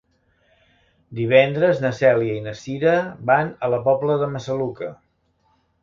Divendres na Cèlia i na Cira van a la Pobla de Massaluca.